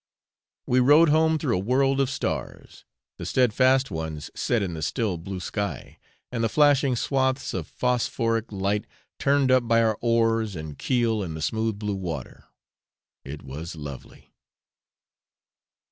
We rowed home through a world of stars, the stedfast ones set in the still blue sky, and the flashing swathes of phosphoric light turned up by our oars and keel in the smooth blue water. It was lovely.